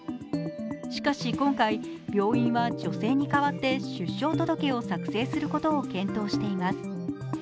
しかし、今回病院は女性に変わって出生届を作成することを検討しています。